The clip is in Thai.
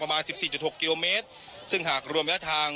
สิบสี่จุดหกกิโลเมตรซึ่งหากรวมระยะทาง